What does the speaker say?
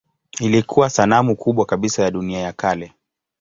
Ilikuwa sanamu kubwa kabisa ya dunia ya kale.